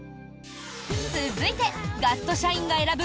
続いてガスト社員が選ぶ